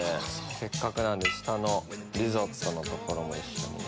せっかくなんで下のリゾットの所も一緒にね。